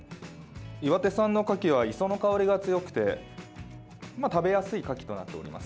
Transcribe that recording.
岩手産のカキは磯の香りが強くて食べやすいカキとなっております。